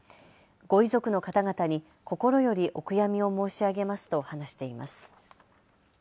ご遺族の方々に心よりお悔やみを申し上げますと話しています。